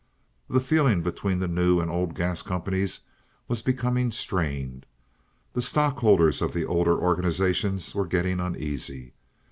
The feeling between the new and old gas companies was becoming strained; the stockholders of the older organization were getting uneasy.